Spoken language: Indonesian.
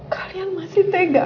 kalian masih tega